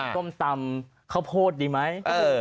ส้มตำข้าวโพดดีไหม